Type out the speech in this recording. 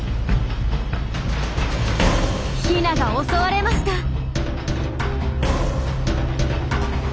ヒナが襲われました。